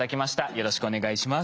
よろしくお願いします。